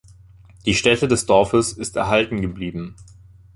Die Stätte des Dorfes ist erhalten geblieben.